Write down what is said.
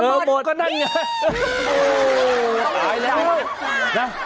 เออหมดก็นั่งอย่างนี้